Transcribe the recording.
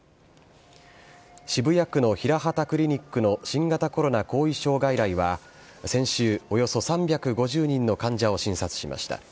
渋谷区のヒラハタクリニックの新型コロナ後遺症外来は、先週、およそ３５０人の患者を診察しました。